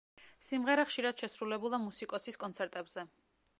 სიმღერა ხშირად შესრულებულა მუსიკოსის კონცერტებზე.